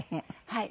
はい。